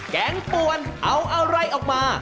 งป่วนเอาอะไรออกมา